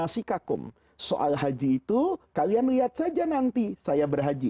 soal haji itu kalian lihat saja nanti saya berhaji